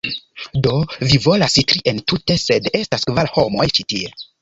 "Do, vi volas tri entute, sed estas kvar homoj ĉi tie